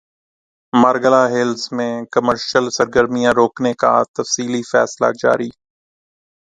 Margalla hills میں commercial سرگرمیاں روکنے کا تفصیلی فیصلہ جاری